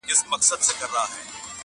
او خپل بار وړي خاموشه,